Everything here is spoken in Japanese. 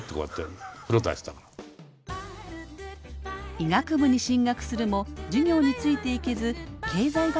医学部に進学するも授業についていけず経済学部に転部。